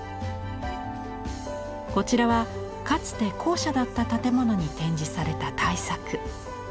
こちらはかつて校舎だった建物に展示された大作。